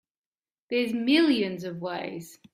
There's millions of ways.